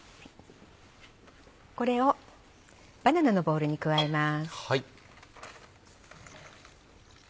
これをバナナのボウルに加えます。